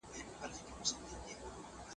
سالمه تغذیه د ټولنې ثبات سبب ګرځي.